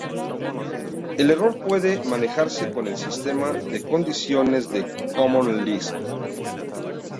El error puede manejarse con el Sistema de Condiciones de Common Lisp.